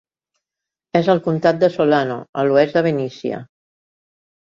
És al comtat de Solano, a l'oest de Benicia.